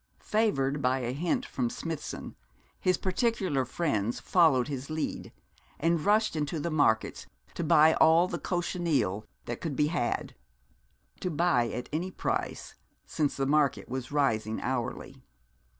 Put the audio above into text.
Favoured by a hint from Smithson, his particular friends followed his lead, and rushed into the markets to buy all the cochineal that could be had; to buy at any price, since the market was rising hourly.